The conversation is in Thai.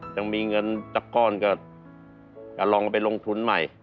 จะมีเงินจากก้อนก็ลองไปลงทุนใหม่